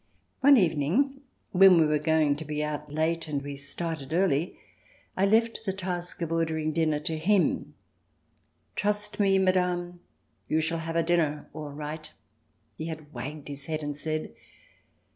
One evening — we were going to be out late and we started early — I left the task of ordering dinner to him. "Trust me, Madame, you shall have a dinner all right !" he had wagged his head and said.